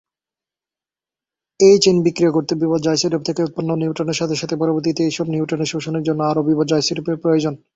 এই চেইন বিক্রিয়া ঘটতে বিভাজ্য আইসোটোপ থেকে উৎপন্ন নিউট্রনের সাথে সাথে পরবর্তীতে এইসব নিউট্রন শোষণের জন্য আরো বিভাজ্য আইসোটোপ প্রয়োজন।